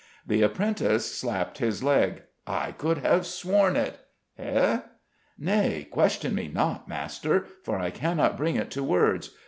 The apprentice slapped his leg. "I could have sworn it!" "Hey?" "Nay, question me not, master, for I cannot bring it to words.